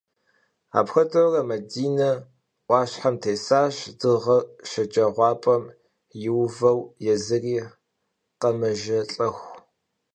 Apxuedeure Madine 'uaşhem têsaş, dığer şşecağuap'em yiuveu yêzıri khemejjelh'exu.